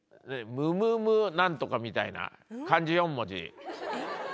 ムムムなんとかみたいな漢字４文字。